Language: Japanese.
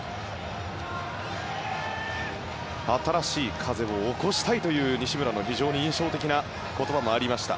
新しい風を起こしたいという西村の印象的な言葉もありました。